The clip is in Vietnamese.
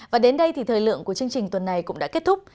và đến đây thì thời lượng của chương trình tuần này cũng đã kết thúc